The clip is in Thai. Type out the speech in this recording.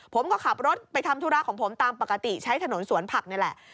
ผมก็ขับรถไปทำธุระของผมตามปกติใช้ถนนสวนผักนี่แหละ